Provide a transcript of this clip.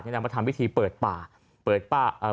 ทางกระดแบบทำวิธีเปิดป่าหน้าชอวิธี